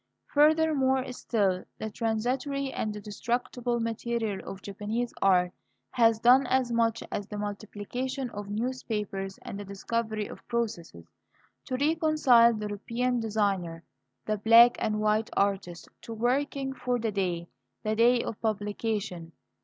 Furthermore still, the transitory and destructible material of Japanese art has done as much as the multiplication of newspapers, and the discovery of processes, to reconcile the European designer the black and white artist to working for the day, the day of publication.